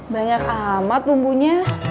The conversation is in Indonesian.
banyak amat bumbunya